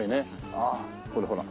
ああこれほら。